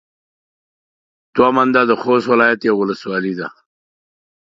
دوه منده د خوست ولايت يوه ولسوالي ده.